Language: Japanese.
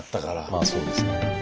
まあそうですね。